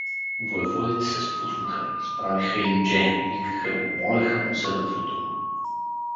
Войводите се спуснаха, изправиха Индже, викаха го, молеха му се да продума.